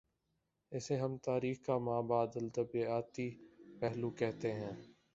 اسے ہم تاریخ کا ما بعد الطبیعیاتی پہلو کہتے ہیں۔